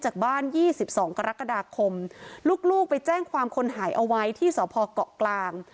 กรกฎาคมลูกไปแจ้งความคนหายเอาไว้ที่สภเกาะกลาง